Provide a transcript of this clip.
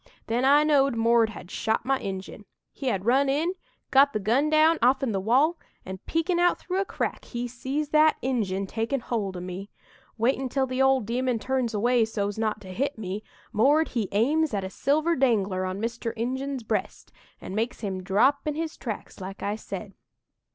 Then I knowed 'Mord' had shot my Injun. He had run in, got the gun down off'n the wall, an' peekin' out through a crack, he sees that Injun takin' hold o' me. Waitin' till the ol' demon turns away, so's not to hit me, 'Mord' he aims at a silver dangler on Mr. Injun's breast and makes him drop in his tracks like I said.